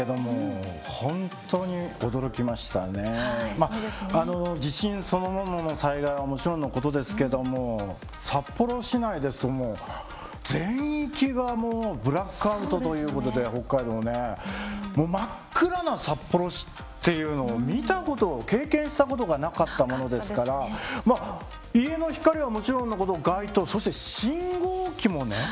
まああの地震そのものの災害はもちろんのことですけども札幌市内ですともう全域がもうブラックアウトということで北海道ねもう真っ暗な札幌市っていうのを見たこと経験したことがなかったものですからまあ家の光はもちろんのこと街灯そして信号機もね